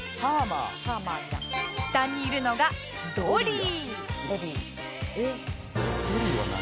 下にいるのがドリー